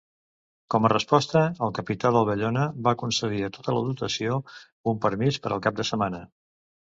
Com a resposta, el capità del Bellona va concedir a tota la dotació un permís per al cap de setmana.